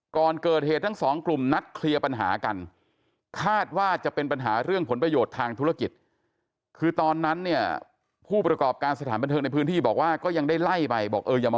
ก่อนเกิดเหตุทั้งสองกลุ่มนัดเคลียร์ปัญหากันคาดว่าจะเป็นปัญหาเรื่องผลประโยชน์ทางธุรกิจคือตอนนั้นเนี่ยผู้ประกอบการสถานบันเทิงในพื้นที่บอกว่าก็ยังได้ไล่ไปบอกเอออย่ามา